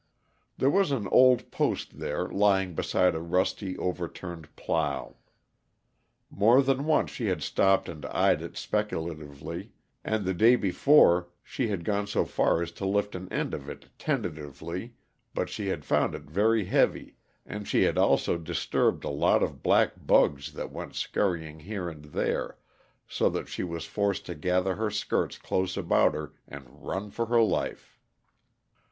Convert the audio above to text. There was an old post there, lying beside a rusty, overturned plow. More than once she had stopped and eyed it speculatively, and the day before she had gone so far as to lift an end of it tentatively; but she had found it very heavy, and she had also disturbed a lot of black bugs that went scurrying here and there, so that she was forced to gather her skirts close about her and run for her life.